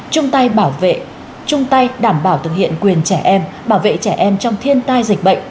chung tay bảo vệ chung tay đảm bảo thực hiện quyền trẻ em bảo vệ trẻ em trong thiên tai dịch bệnh